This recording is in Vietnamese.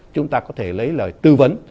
chúng ta có thể lấy lời tư vấn